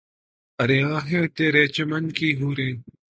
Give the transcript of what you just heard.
عریاں ہیں ترے چمن کی حوریں